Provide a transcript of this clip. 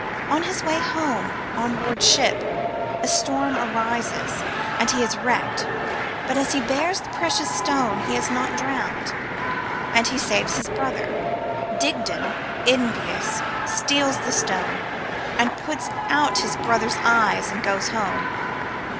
On his way home, on board ship, a storm arises, and he is wrecked ; but, as he bears the precious stone, he is not drowned, and he saves his brother. Digdon, envious, steals the stone, and puts out his brother's eyes, and goes home.